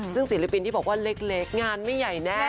ซึ่งศิลปินที่บอกว่าเล็กงานไม่ใหญ่แน่